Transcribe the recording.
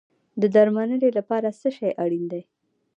د درملنې لپاره څه شی اړین دی؟